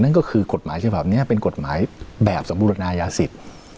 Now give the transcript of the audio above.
นั่นก็คือกฎหมายฉบับนี้เป็นกฎหมายแบบสมบูรณายาสิทธิ์